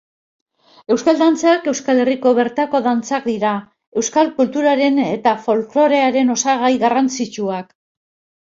Euskal Dantzak Euskal Herriko bertako dantzak dira, Euskal kulturaren eta folklorearen osagai garrantzitsuak.